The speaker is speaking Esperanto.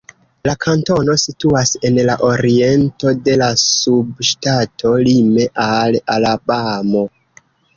La kantono situas en la oriento de la subŝtato, lime al Alabamo.